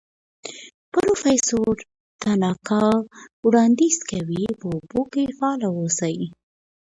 پروفیسور تاناکا وړاندیز کوي په اوبو کې فعال اوسئ.